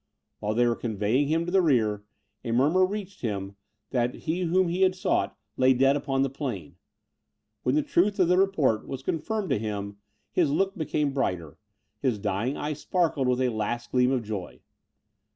While they were conveying him to the rear, a murmur reached him, that he whom he had sought, lay dead upon the plain. When the truth of the report was confirmed to him, his look became brighter, his dying eye sparkled with a last gleam of joy.